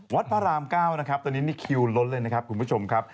วัดพระราม๙ตอนนี้คิวล้นเลยนะครับคุณผู้ชมครับ